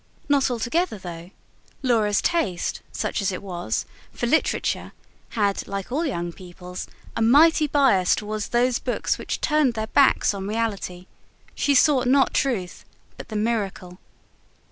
Not altogether, though: Laura's taste, such as it was, for literature had, like all young people's, a mighty bias towards those books which turned their backs on reality: she sought not truth, but the miracle.